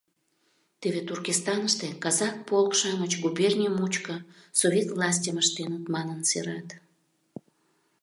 Теве Туркестаныште казак полк-шамыч губерний мучко Совет властьым ыштеныт манын серат...